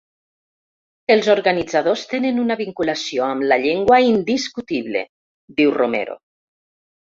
Els organitzadors tenen una vinculació amb la llengua indiscutible –diu Romero–.